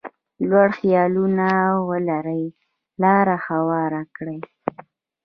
لوړ خیالونه ولري لاره هواره کړي.